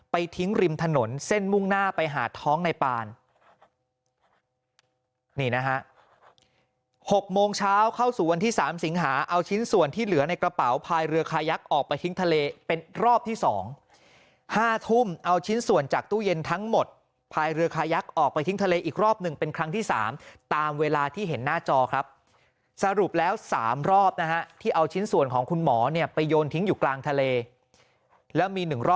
พาเข้าสู่วันที่สามสิงหาเอาชิ้นส่วนที่เหลือในกระเป๋าพายเรือคายักษ์ออกไปทิ้งทะเลเป็นรอบที่สองห้าทุ่มเอาชิ้นส่วนจากตู้เย็นทั้งหมดพายเรือคายักษ์ออกไปทิ้งทะเลอีกรอบหนึ่งเป็นครั้งที่สามตามเวลาที่เห็นหน้าจอครับสรุปแล้วสามรอบนะฮะที่เอาชิ้นส่วนของคุณหมอเนี่ยไปโยนทิ้งอยู่กลางทะเล